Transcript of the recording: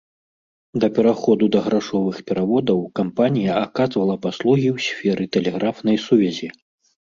Да пераходу да грашовых пераводаў кампанія аказвала паслугі ў сферы тэлеграфнай сувязі.